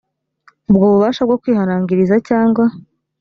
ubwo bubasha bwo kwihanangiriza cyangwa